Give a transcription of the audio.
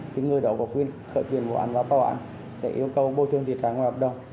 thì người đó có quyền khởi quyền bảo an và bảo an để yêu cầu bôi trường thiệt hại ngoại hợp đồng